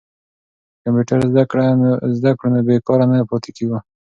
که کمپیوټر زده کړو نو بې کاره نه پاتې کیږو.